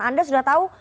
anda sudah tahu